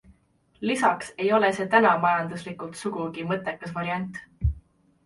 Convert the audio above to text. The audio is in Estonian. Lisaks ei ole see täna majanduslikult sugugi mõttekas variant.